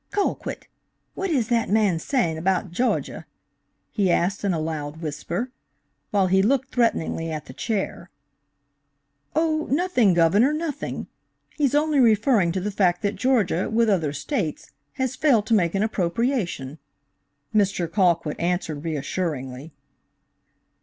"Colquitt, what is that man saying about Gawjah?" he asked in a loud whisper, while he looked threateningly at the chair. "Oh, nothing, Governor, nothing. He's only referring to the fact that Georgia, with other States, has failed to make an appropriation," Mr. Colquitt answered reassuringly.